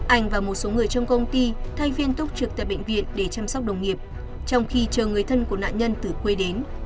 anh và một số người trong công ty thay viên túc trực tại bệnh viện để chăm sóc đồng nghiệp trong khi chờ người thân của nạn nhân từ quê đến